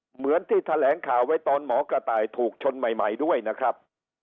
เหมือนที่แถลงข่าวไว้ตอนหมอกระต่ายถูกชนใหม่ด้วยนะครับ